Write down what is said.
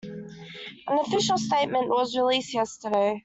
An official statement was released yesterday.